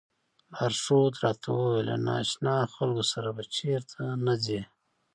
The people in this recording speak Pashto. لارښود راته وویل له نا اشنا خلکو سره به چېرته نه ځئ.